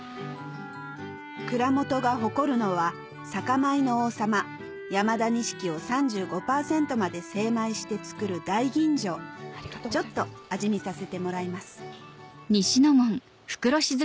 蔵元が誇るのは酒米の王様山田錦を３５％まで精米して造る大吟醸ちょっと味見させてもらいます